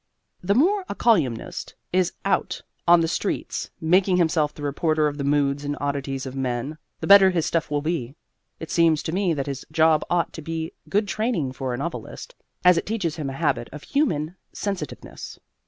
The more a colyumist is out on the streets, making himself the reporter of the moods and oddities of men, the better his stuff will be. It seems to me that his job ought to be good training for a novelist, as it teaches him a habit of human sensitiveness.